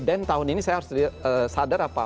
dan tahun ini saya harus sadar apa